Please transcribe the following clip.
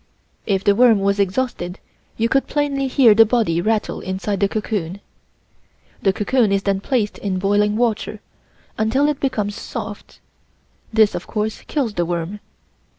If the worm was exhausted you could plainly hear the body rattle inside the cocoon. The cocoon is then placed in boiling water until it becomes soft. This, of course, kills the worm.